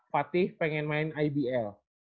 fatih pengen main ibl